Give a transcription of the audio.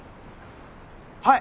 はい！